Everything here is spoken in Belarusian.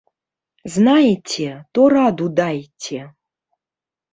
Знаеце, то раду дайце!